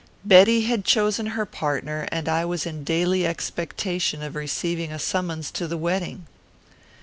Betty had chosen her partner, and I was in daily expectation of receiving a summons to the wedding.